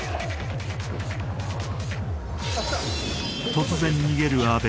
突然逃げる阿部